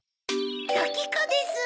ドキコです！